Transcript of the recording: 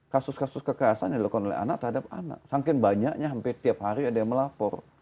kasus kasus kekerasan yang dilakukan oleh anak terhadap anak saking banyaknya hampir tiap hari ada yang melapor